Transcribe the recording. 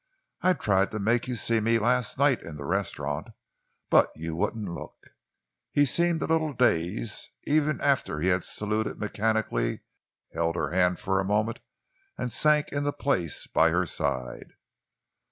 "I tried to make you see me last night in the restaurant, but you wouldn't look." He seemed a little dazed, even after he had saluted mechanically, held her hand for a moment and sank into the place by her side.